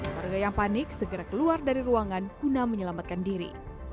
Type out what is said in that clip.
warga yang panik segera keluar dari ruangan guna menyelamatkan diri